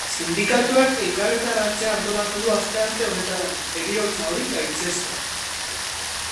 Sindikatuak elkarretaratzea antolatu du astearte honetarako, heriotza hori gaitzesteko.